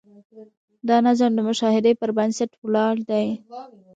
دا نظم د مشاهدې پر بنسټ ولاړ دی.